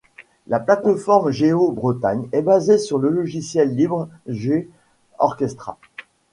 La plateforme GéoBretagne est basée sur le logiciel libre geOrchestra.